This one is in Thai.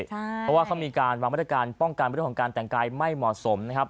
เพราะว่าเขามีการวางมาตรการป้องกันเรื่องของการแต่งกายไม่เหมาะสมนะครับ